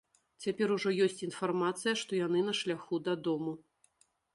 Цяпер ужо ёсць інфармацыя, што яны на шляху дадому.